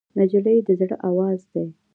نجلۍ د زړه آواز دی.